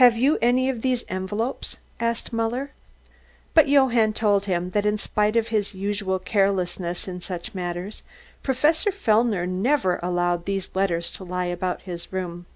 "Have you any of these envelopes?" asked Muller. But Johann told him that in spite of his usual carelessness in such matters, Professor Fellner never allowed these letters to lie about his room.